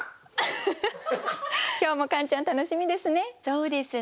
今日もカンちゃん楽しみですね。